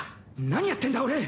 何やってんだ俺！